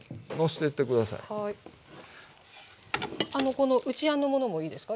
この内あんのものもいいですか？